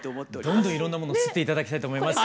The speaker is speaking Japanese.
どんどんいろんなものをすって頂きたいと思います。